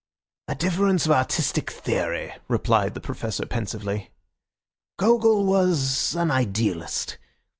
"A difference of artistic theory," replied the Professor pensively. "Gogol was an idealist.